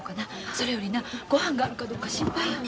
それよりなごはんがあるかどうか心配やわ。